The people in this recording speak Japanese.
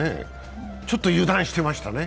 ちょっと油断していましたね。